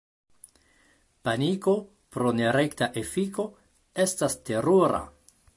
Paniko, pro nerekta efiko, estas terura.